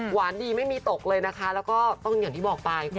หวานดีไม่มีตกเลยนะคะแล้วก็ต้องอย่างที่บอกไป